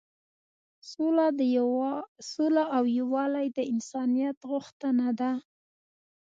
سوله او یووالی د انسانیت غوښتنه ده.